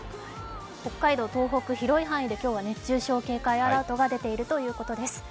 北海道、東北、広い範囲で今日も熱中症警戒アラートが発表されているそうです。